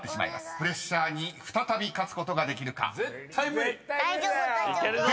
［プレッシャーに再び勝つことができるか］いけるぞ。